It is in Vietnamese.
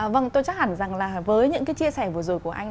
vâng tôi chắc hẳn rằng là với những cái chia sẻ vừa rồi của anh